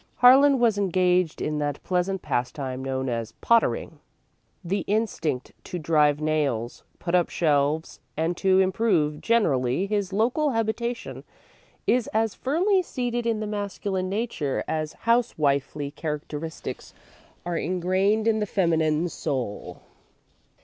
Harlan was engaged in that pleasant pastime known as "pottering." The instinct to drive nails, put up shelves, and to improve generally his local habitation is as firmly seated in the masculine nature as housewifely characteristics are ingrained in the feminine soul.